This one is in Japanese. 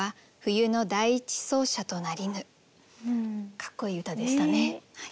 かっこいい歌でしたね。